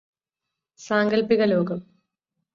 സാങ്കല്പിക ലോകം